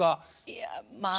いやまあ。